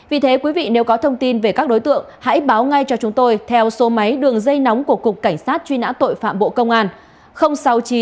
vì thế quý vị nếu có thông tin về các đối tượng hãy báo ngay cho chúng tôi theo số máy đường dây nóng của cục cảnh sát truy nã tội phạm bộ công an